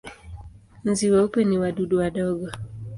Nzi weupe ni wadudu wadogo.